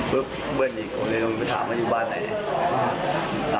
ปุ๊บคนอื่นนี้มาถามกันอยู่บ้านไหน